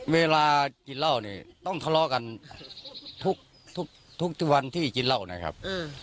เวลากินเหล้าเนี่ยต้องทะเลาะกันทุกวันที่กินเหล้านะครับ